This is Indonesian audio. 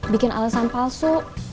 bikin alesan palsu